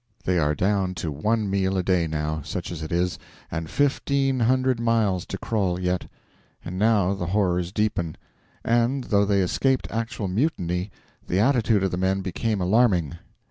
They are down to one meal a day now such as it is and fifteen hundred miles to crawl yet! And now the horrors deepen, and, though they escaped actual mutiny, the attitude of the men became alarming.